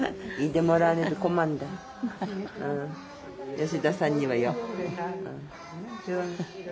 吉田さんにはよ。